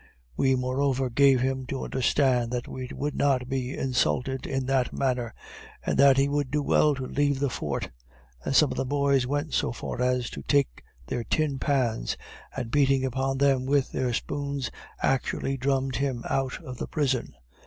We moreover gave him to understand that we would not be insulted in that manner, and that he would do well to leave the fort and some of the boys went so far as to take their tin pans, and beating upon them with their spoons, actually drummed him out of the prison.